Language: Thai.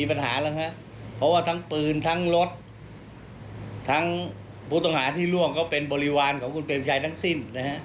เพราะว่าทั้งปืนทั้งรถทั้งผู้ตำรวจที่ร่วงก็เป็นบริวารของคุณเพมชัยทั้งสิ้น